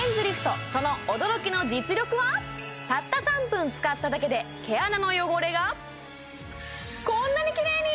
うんたった３分使っただけで毛穴の汚れがこんなにきれいに！